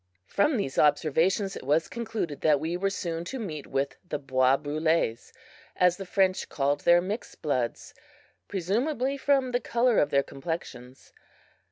From these observations it was concluded that we were soon to meet with the bois brules, as the French call their mixed bloods, presumably from the color of their complexions.